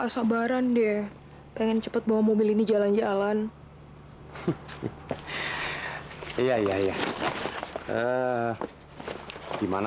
sampai jumpa di video selanjutnya